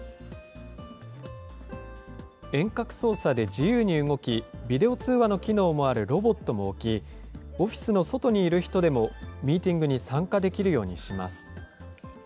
遠隔操作で自由に動き、ビデオ通話の機能もあるロボットも置き、オフィスの外にいる人でもミーティングに参加できるようにします。